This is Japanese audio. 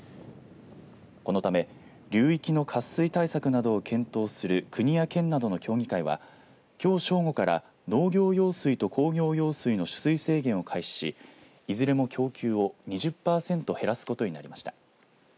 このため流域の渇水対策などを検討する国や県などの協議会はきょう正午から農業用水と工業用水の取水制限を開始しいずれも供給を２０パーセント減らすことになりました。